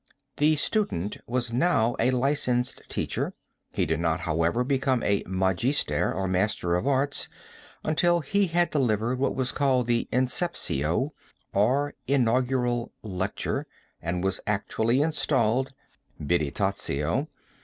The student was now a licensed teacher; he did not, however, become magister, or master of arts, until he had delivered what was called the inceptio, or inaugural lecture, and was actually installed (birrettatio).